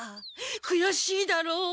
くやしいだろう？